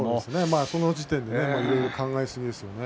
その時点で考えすぎですよね。